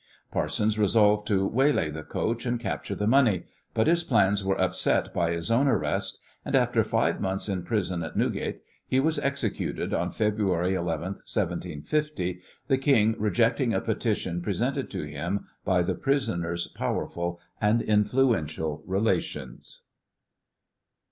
Parsons resolved to waylay the coach and capture the money, but his plans were upset by his own arrest, and after five months in prison at Newgate he was executed on February 11th, 1750, the king rejecting a petition presented to him by the prisoner's powerful and influential relations.